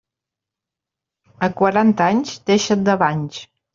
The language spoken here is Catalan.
A quaranta anys deixa't de banys.